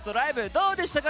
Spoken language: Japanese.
どうでしたか？